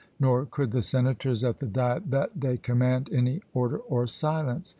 _ nor could the senators at the diet that day command any order or silence.